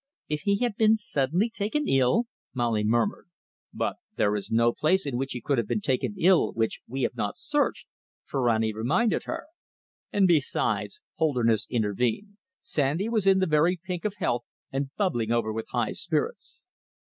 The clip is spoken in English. "If he had been suddenly taken ill " Molly murmured. "But there is no place in which he could have been taken ill which we have not searched," Ferrani reminded her. "And besides," Holderness intervened, "Sandy was in the very pink of health, and bubbling over with high spirits."